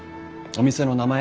お店の名前